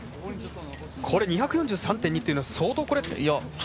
これ、２４３．２っていうのは相当、これ。